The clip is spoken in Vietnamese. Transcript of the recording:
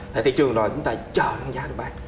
thì thị trường rồi chúng ta chờ nâng giá được bán